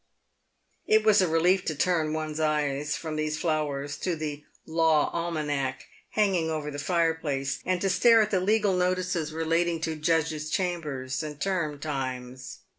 It was a relief to turn one's eyes from these flowers to the Law Almanack hanging over the fireplace, and to stare at the legal notices relating to Judges' Chambers and term times.